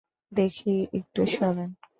দেখি একটু সরেন।